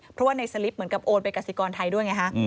เพราะว่าในสลิปเหมือนกับโอนไปกสิกรไทยด้วยไงฮะ